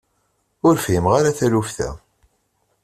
Ur fhimeɣ ara taluft-a.